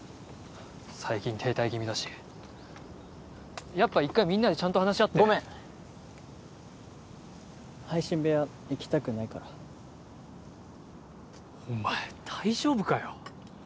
最近停滞気味だしやっぱ１回みんなでちゃんと話し合ってごめん配信部屋行きたくないからお前大丈夫かよ？